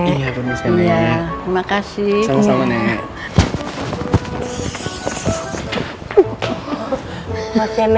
paacar maafkan pacar saya pakar saya suka begitu orangnya